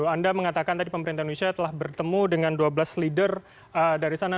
anda mengatakan tadi pemerintah indonesia telah bertemu dengan dua belas leader dari sana